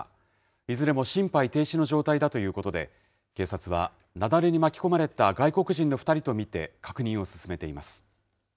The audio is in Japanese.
いずれも心肺停止の状態だということで、警察は、雪崩に巻き込まれた外国人の２人と見て、確認を進めています。